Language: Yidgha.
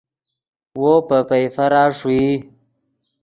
وو پے پئیفرا ݰوئی